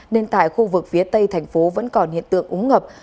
nên tại khu vực phía tây thành phố vẫn còn hiện tượng úng ngập